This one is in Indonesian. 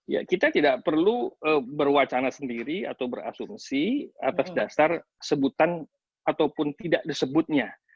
ya kita tidak perlu berwacana sendiri atau berasumsi atas dasar sebutan ataupun tidak disebutnya